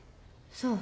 そう。